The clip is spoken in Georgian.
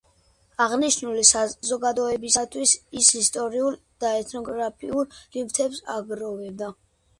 აღნიშნული საზოგადოებისათვის ის ისტორიულ და ეთნოგრაფიულ ნივთებს აგროვებდა.